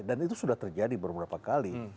dan itu sudah terjadi beberapa kali